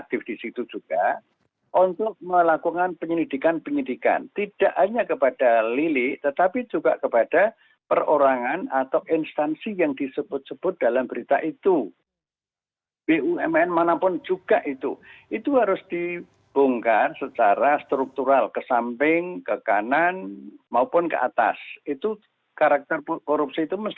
tugahan tindak pidana suap